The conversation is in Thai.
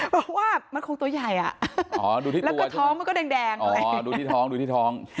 เพราะว่ามันคงตัวใหญ่อ่ะและก็ท้องมันก็แดง